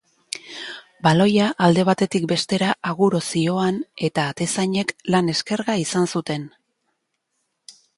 Baloia alde batetik bestera aguro zihoan eta atezainek lan eskerga izan zuten.